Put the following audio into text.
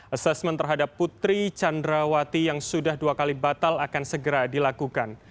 asesmen terhadap putri candrawati yang sudah dua kali batal akan segera dilakukan